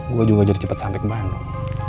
gue juga jadi cepet sampe ke bandung